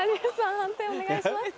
判定お願いします。